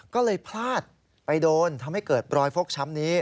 ก็เลยพลาดไปโดนทำให้เกิดรอยฟกช้ำนี้